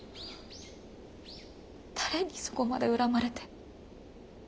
誰にそこまで恨まれて。